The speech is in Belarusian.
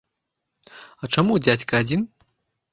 А чаму дзядзька адзін?